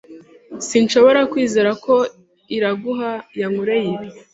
Sinshobora kwizera ko Iraguha yankoreye ibi.